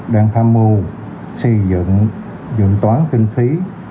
đang tham mưu xây dựng dự toán kinh phí